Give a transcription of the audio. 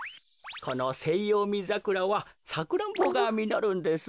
このセイヨウミザクラはサクランボがみのるんです。